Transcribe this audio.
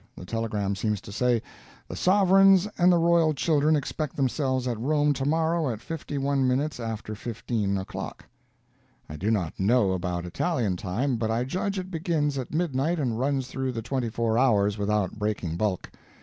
The telegram seems to say, "The Sovereigns and the Royal Children expect themselves at Rome tomorrow at fifty one minutes after fifteen o'clock." I do not know about Italian time, but I judge it begins at midnight and runs through the twenty four hours without breaking bulk.